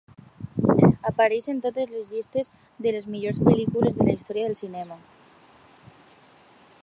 Apareix en totes les llistes de les millors pel·lícules de la història del cinema.